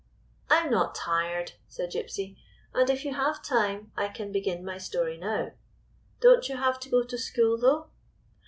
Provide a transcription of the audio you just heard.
" I 'in not tired," said Gypsy, " and if you have time I can begin my story now. Don't you have to go to school, though